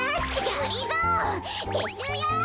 がりぞーてっしゅうよ！